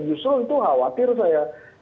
justru itu khawatir saya